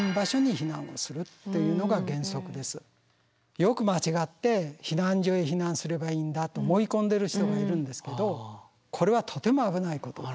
よく間違って避難所へ避難すればいいんだと思い込んでる人がいるんですけどこれはとても危ないことです。